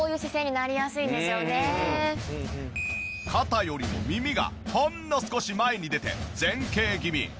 肩よりも耳がほんの少し前に出て前傾気味。